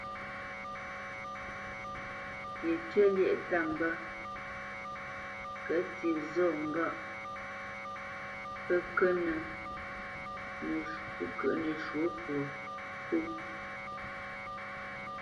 Yecyə̂ lyêʼ ta mbə kətsi zhôʼ ŋgâʼ pə́ kyə̂ʼnə́ nəshwɔ̌ fwo ntóʼ.